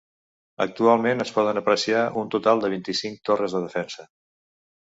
Actualment es poden apreciar un total de vint-i-cinc torres de defensa.